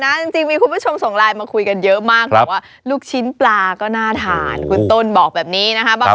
จริงมีคุณผู้ชมส่งไลน์มาคุยกันเยอะมากแต่ว่าลูกชิ้นปลาก็น่าทานคุณต้นบอกแบบนี้นะคะ